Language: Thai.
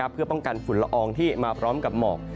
เพื่อป้องกันฝุ่นละอองที่มาพร้อมกับหมอก